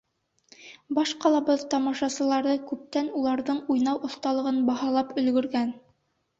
Баш ҡалабыҙ тамашасылары күптән уларҙың уйнау оҫталығын баһалап өлгөргән.